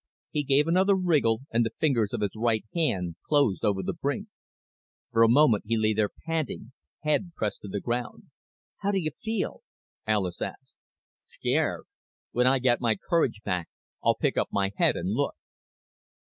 He gave another wriggle and the fingers of his right hand closed over the brink. For a moment he lay there, panting, head pressed to the ground. "How do you feel?" Alis asked. "Scared. When I get my courage back I'll pick up my head and look."